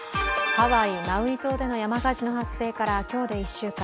ハワイ・マウイ島での山火事の発生から今日で１週間。